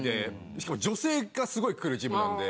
しかも女性がすごい来るジムなんで。